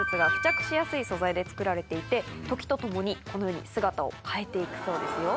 で作られていて時とともにこのように姿を変えて行くそうですよ。